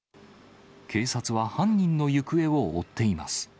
警察は犯人の行方を追っています。